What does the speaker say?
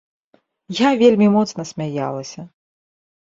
Я вельмі моцна смяялася.